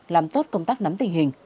làm tốt công tác nắm tình hình